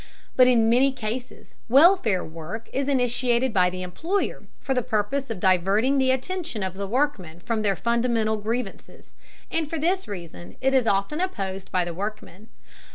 But in many cases welfare work is initiated by the employer for the purpose of diverting the attention of the workmen from their fundamental grievances, and for this reason it is often opposed by the workmen.